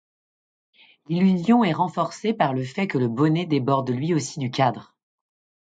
L'illusion est renforcée par le fait que le bonnet déborde lui aussi du cadre.